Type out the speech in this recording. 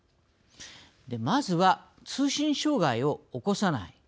まずは、通信障害を起こさない。